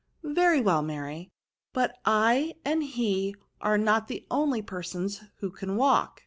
•* Very well, Mary ; but I and he are no^ VERBS). Sn the only persons who can walk.